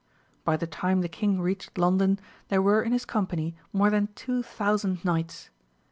By the time the king reached London, there were in his company more than two thousand knights.